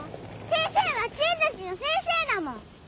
先生は知恵たちの先生だもん！